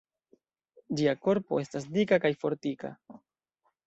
Ĝia korpo estas dika kaj fortika.